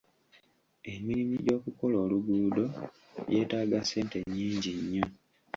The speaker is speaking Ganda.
Emirimu gy'okukola oluguudo gyetaaga ssente nnyingi nnyo.